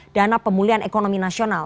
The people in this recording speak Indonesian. dana pemulihan ekonomi nasional